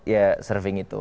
ya surfing itu